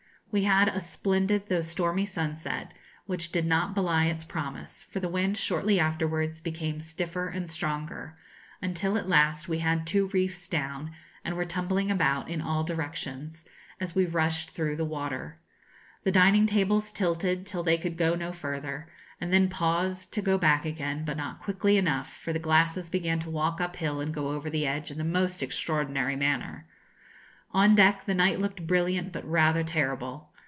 We had a splendid though stormy sunset, which did not belie its promise, for the wind shortly afterwards became stiffer and stronger, until at last we had two reefs down, and were tumbling about in all directions, as we rushed through the water. The dining tables tilted till they could go no further, and then paused to go back again; but not quickly enough, for the glasses began to walk uphill and go over the edge in the most extraordinary manner. On deck the night looked brilliant but rather terrible.